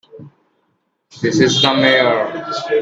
This is the Mayor.